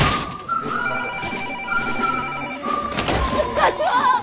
課長！